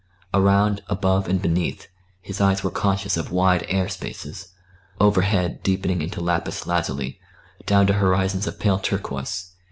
Around, above and beneath, his eyes were conscious of wide air spaces, overhead deepening into lapis lazuli down to horizons of pale turquoise.